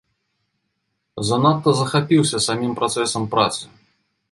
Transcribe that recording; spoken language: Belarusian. Занадта захапіўся самім працэсам працы.